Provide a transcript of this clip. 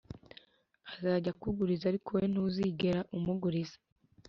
azajya akuguriza, ariko wowe ntuzigera umuguriza